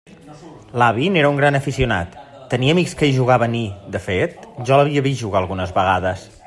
L'avi n'era un gran aficionat; tenia amics que hi jugaven i, de fet, jo l'havia vist jugar algunes vegades.